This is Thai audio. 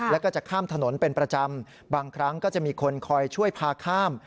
แล้วก็จะข้ามถนนเป็นประจำบางครั้งก็จะมีคนคอยช่วยพาข้าม